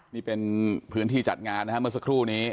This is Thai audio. นี่เป็นพื้นที่จัดงานนะครับเมื่อสักครู่นี้